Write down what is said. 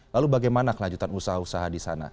lalu bagaimana kelanjutan usaha usaha di sana